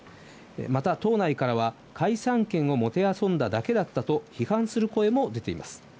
また党内からは解散権を弄んだだけだったと批判する声も出ています。